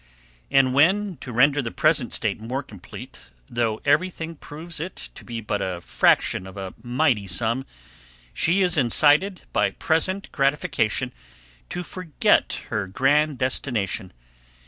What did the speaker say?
And when, to render the present state more complete, though every thing proves it to be but a fraction of a mighty sum, she is incited by present gratification to forget her grand destination.